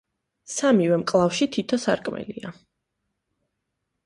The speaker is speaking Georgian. სამივე მკლავში თითო სარკმელია.